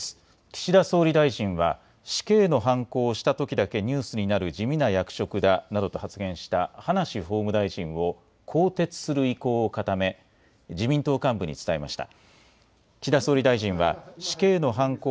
岸田総理大臣は死刑のはんこを押したときだけニュースになる地味な役職だなどと発言した葉梨法務大臣を更迭する意向を固め、自民党幹部に伝えました。